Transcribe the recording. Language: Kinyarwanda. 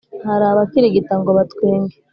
Hari abikirigita ngo batwenge,